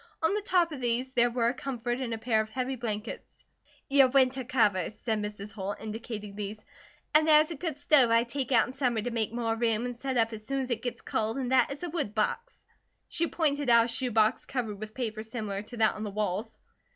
On the top of these there were a comfort and a pair of heavy blankets. "Your winter covers," said Mrs. Holt, indicating these, "and there is a good stove I take out in summer to make more room, and set up as soon as it gets cold, and that is a wood box." She pointed out a shoe box covered with paper similar to that on the walls.